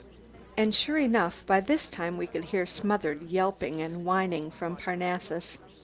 And sure enough, by this time we could hear smothered yelping and whining from Parnassus.